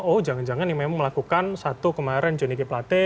oh jangan jangan memang melakukan satu kemarin joni k plate